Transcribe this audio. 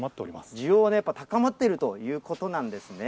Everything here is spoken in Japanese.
需要はやっぱり高まっているということなんですね。